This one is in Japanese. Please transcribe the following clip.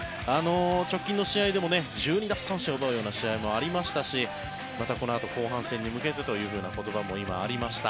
直近の試合でも１２奪三振を奪うような試合もありましたしまたこのあと後半戦に向けてという言葉も今、ありました。